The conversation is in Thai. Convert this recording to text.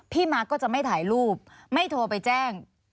มาร์ก็จะไม่ถ่ายรูปไม่โทรไปแจ้ง